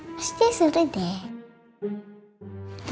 pasti seru deh